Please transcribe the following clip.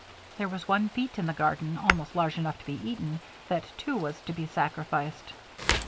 There was one beet in the garden almost large enough to be eaten; that, too, was to be sacrificed.